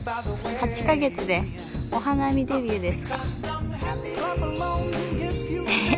８か月でお花見デビューです。